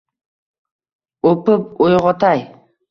O’pib uyg’otay.